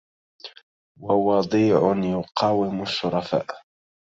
ووضيع يقاوم الشرفاء